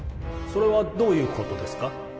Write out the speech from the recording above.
それはどういうことですか？